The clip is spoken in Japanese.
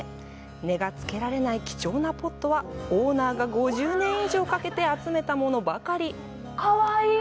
値がつけられない貴重なポットは、オーナーが５０年以上かけて集めたものばかり。